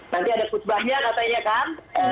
nanti ada khutbahnya katanya kan